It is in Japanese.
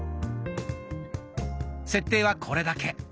設定はこれだけ。